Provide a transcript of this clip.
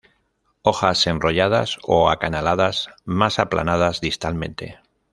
Hojas enrolladas o acanaladas, más aplanadas distalmente.